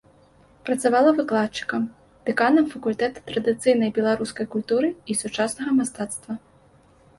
Працавала выкладчыкам, дэканам факультэта традыцыйнай беларускай культуры і сучаснага мастацтва.